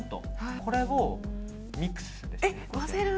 これをミックスするんです。